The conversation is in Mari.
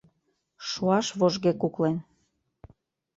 Шуаш вожге куклен.